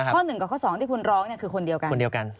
ข้อหนึ่งกับข้อสองที่คุณร้องคือคนเดียวกัน